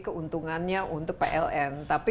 keuntungannya untuk pln tapi